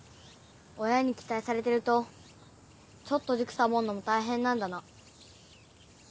親に期待されてるとちょっと塾サボんのも大変なんだな。